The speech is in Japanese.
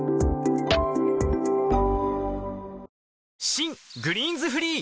新「グリーンズフリー」